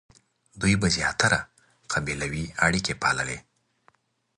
دوی به زیاتره قبیلوي اړیکې پاللې.